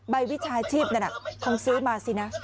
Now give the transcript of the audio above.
วิชาชีพนั้นคงซื้อมาสินะ